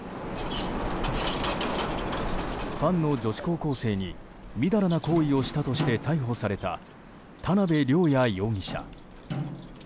ファンの女子高校生にみだらな行為をしたとして逮捕された田辺稜弥容疑者。